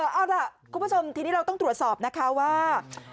เอาล่ะคุณผู้ชมทีนี้เราต้องตรวจสอบนะคะว่า